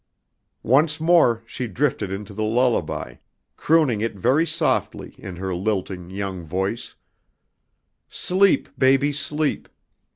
Once more she drifted into the lullaby, crooning it very softly in her lilting young voice: "Sleep, baby, sleep.